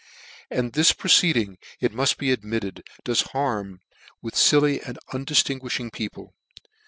(S And this proceeding, it mull be admitted^ does harm, with filly and undiftinguifhing people.